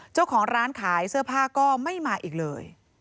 เจ้าของร้านขายเสื้อผ้าก็ไม่มาอีกเลย